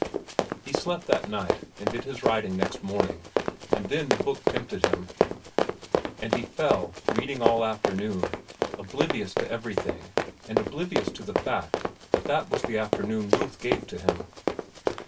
He slept that night, and did his writing next morning, and then the book tempted him and he fell, reading all afternoon, oblivious to everything and oblivious to the fact that that was the afternoon Ruth gave to him.